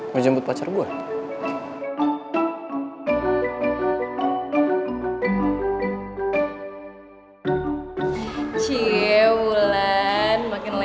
mau jemput pacar gue